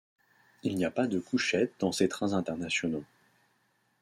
Il n'y a pas de couchette dans ces trains internationaux.